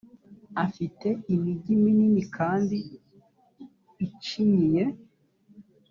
afite imigi minini kandi icinyiye,